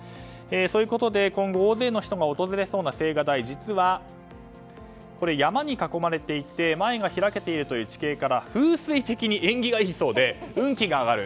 そういうことで今後大勢の人が訪れそうな青瓦台、実は山に囲まれていて前が開けているという地形から風水的に縁起がいいそうで運気が上がる。